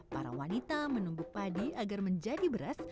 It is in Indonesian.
para wanita menumbuk padi agar menjadi beras